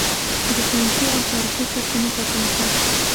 د "ساینسي او تاریخي سرچینو" پر بنسټ